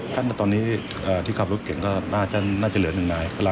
ท่านตอนนี้ที่ขับรถเก่งก็น่าจะเหลือ๑นาย